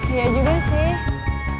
iya juga sih